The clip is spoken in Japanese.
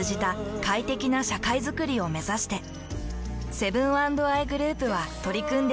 セブン＆アイグループは取り組んでいます。